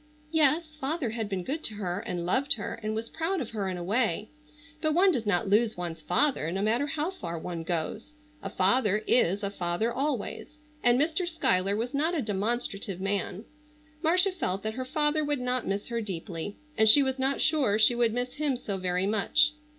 Yes, father had been good to her, and loved her and was proud of her in a way. But one does not lose one's father no matter how far one goes. A father is a father always; and Mr. Schuyler was not a demonstrative man. Marcia felt that her father would not miss her deeply, and she was not sure she would miss him so very much.